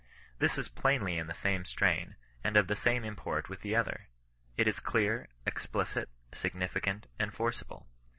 This is plainly in the same strain, and of the same import with the other. It is clear, explicit, significant, and forcible.